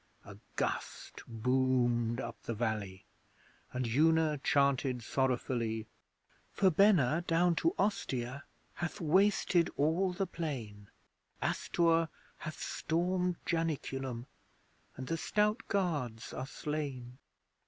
A gust boomed up the valley, and Una chanted sorrowfully: 'Verbenna down to Ostia Hath wasted all the plain: Astur hath stormed Janiculum, And the stout guards are slain.'